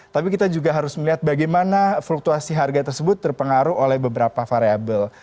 tapi kita juga harus melihat bagaimana fluktuasi harga tersebut terpengaruh oleh beberapa variable